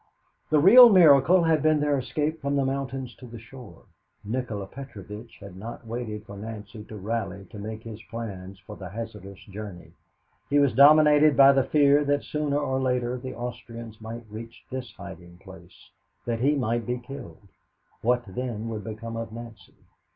The real miracle had been their escape from the mountains to the shore. Nikola Petrovitch had not waited for Nancy to rally to make his plans for the hazardous journey. He was dominated by the fear that sooner or later the Austrians might reach this hiding place, that he might be killed. What, then, would become of Nancy?